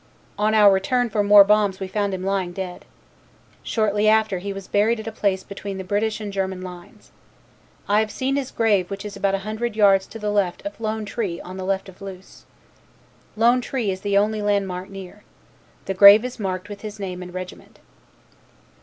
On our return for more bombs we found him lying dead. Shortly after he was buried at a place between the British and German lines. I have seen his grave which is about a hundred yards to the left of 'Lone Tree' on the left of Loos. 'Lone Tree' is the only landmark near. The grave is marked with his name and regiment.